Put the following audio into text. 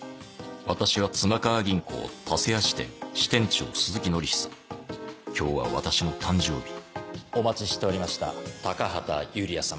私は妻川銀行田勢谷支店支店長鈴木則久今日は私の誕生日お待ちしておりました高畑ユリア様。